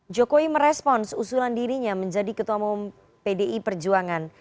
jokowi merespons usulan dirinya menjadi ketua umum pdi perjuangan